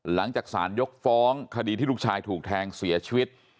หลังจากสารยกฟ้องคดีที่ลูกชายถูกแทงเสียชีวิต